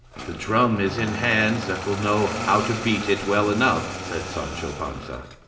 '" "The drum is in hands that will know how to beat it well enough," said Sancho Panza.